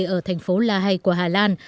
ở thành phố lahay của hà lan